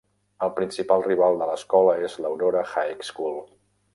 El principal rival de l'escola és l'Aurora High School.